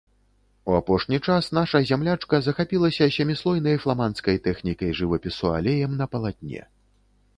У апошні час наша зямлячка захапілася сяміслойнай фламандскай тэхнікай жывапісу алеем на палатне.